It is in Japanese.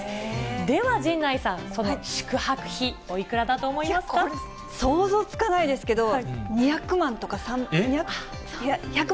では陣内さん、その宿泊費、想像つかないですけど、２００万とか、３００？